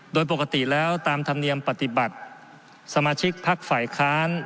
โดยปกติแล้วตามธรรมเนียมปฏิบัติสมาชิกพักฝ่ายค้าน